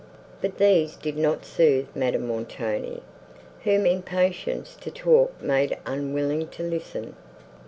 But these did not sooth Madame Montoni, whom impatience to talk made unwilling to listen.